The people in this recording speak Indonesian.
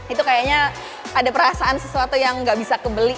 itu kayaknya ada perasaan sesuatu yang nggak bisa kebeli